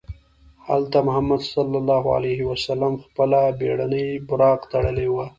هلته محمد صلی الله علیه وسلم خپله بېړنۍ براق تړلې وه.